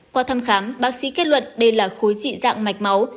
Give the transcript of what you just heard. qua thăm khám bác sĩ kết luận đây là khối dị dạng mạch máu